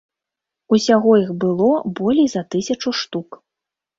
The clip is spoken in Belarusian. Усяго іх было болей за тысячу штук.